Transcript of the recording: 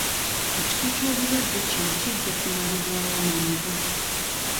Ekika ky'obulwadde kino kijja kumalibwawo mangu.